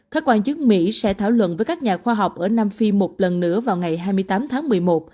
các quan chức mỹ sẽ thảo luận với các nhà khoa học ở nam phi một lần nữa vào ngày hai mươi tám tháng một mươi một